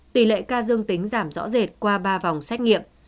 tỷ lệ ca dương tính giảm rõ rệt qua ba vòng xét nghiệm